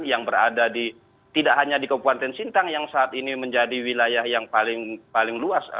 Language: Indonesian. yang berada di tidak hanya di kabupaten sintang yang saat ini menjadi wilayah yang paling luas